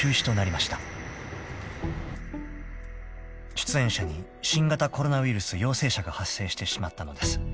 ［出演者に新型コロナウイルス陽性者が発生してしまったのです］